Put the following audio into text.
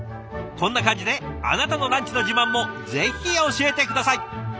こんな感じであなたのランチの自慢もぜひ教えて下さい。